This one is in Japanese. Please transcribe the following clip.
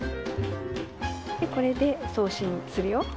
でこれで送信するよ？